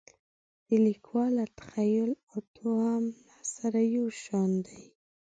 د لیکوال له تخیل او توهم سره یو شان دي.